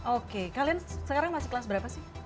oke kalian sekarang masih kelas berapa sih